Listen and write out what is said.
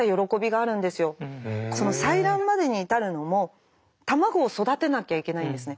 その採卵までに至るのも卵を育てなきゃいけないんですね。